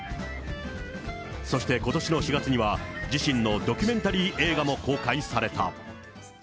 そしてことしの４月には、自身のドキュメンタリー映画も公開された。